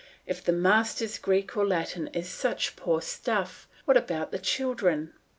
If the master's Greek and Latin is such poor stuff, what about the children?